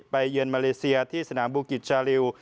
เยือนมาเลเซียที่สนามบูกิจชาลิว